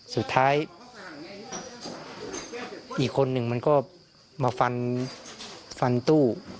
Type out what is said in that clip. สุดท้ายอีกคนหนึ่งก็มาฟันตู้